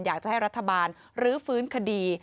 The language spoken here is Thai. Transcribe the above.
อยากจะให้รัฐบาลรื้อฟื้นคดี